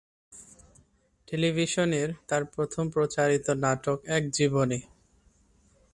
টেলিভিশনের তার প্রথম প্রচারিত নাটক "এক জীবনে"।